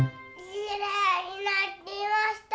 きれいになりました。